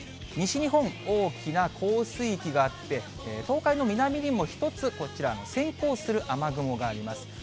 西日本、大きな降水域があって、東海の南にも１つこちら、先行する雨雲があります。